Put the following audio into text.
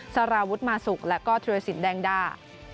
สาราวุฒิมาสุกแล้วก็เทรียสินแดงดา